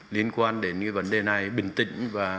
liên quan đến vấn đề này bình tĩnh